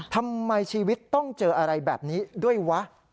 ทำไมชีวิตต้องเจออะไรแบบนี้ด้วยวะ